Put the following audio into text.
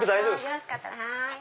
よろしかったら。